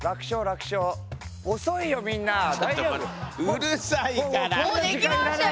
うるさいから。